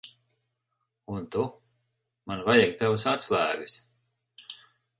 Un tu. Man vajag tavas atslēgas.